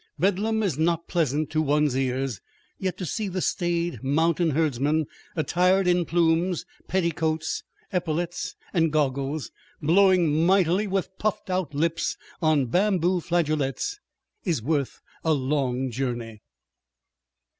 Bedlam is not pleasant to one's ears; yet to see the staid mountain herdsmen, attired in plumes, petticoats, epaulets, and goggles, blowing mightily with puffed out lips on bamboo flageolets, is worth a long journey.